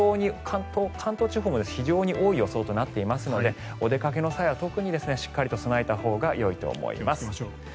関東地方も非常に多い予想となっていますのでお出かけの際は特にしっかりと備えたほうがよいと思います。